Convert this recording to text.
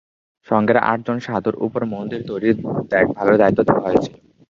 সংঘের আট জন সাধুর উপর মন্দির তৈরির দেখ-ভালের দায়িত্ব দেওয়া হয়েছিল।